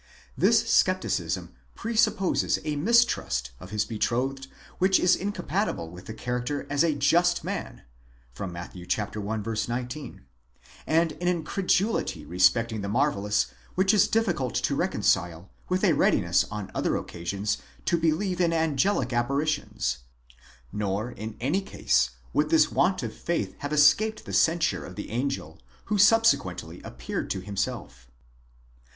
This scepticism presupposes a mistrust of his betrothed which is incompatible with his character as a jus? man (Matt. i. 19), and an incredulity respecting the marvellous which is difficult to reconcile with a readiness on other occasions to believe in angelic apparitions ; nor, in any case, would this want of faith have escaped the censure of the angel who subsequently appeared to himself.